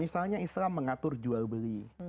misalnya islam mengatur jual beli